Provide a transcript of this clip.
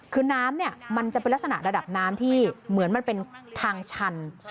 คือน้ำเนี่ยมันจะเป็นลักษณะระดับน้ำที่เหมือนมันเป็นทางชัน